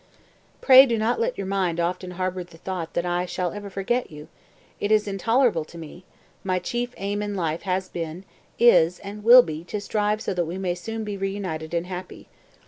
186. "Pray do not let your mind often harbor the thought that I shall ever forget you! It is intolerable to me. My chief aim in life has been, is, and will be to strive so that we may soon be reunited and happy....